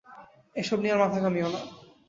এসব নিয়ে আর মাথা ঘামিয়ো না!